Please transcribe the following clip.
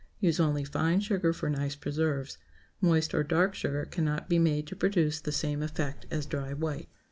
Use only fine sugar for nice preserves. Moist or dark sugar cannot be made to produce the same effect as dry white.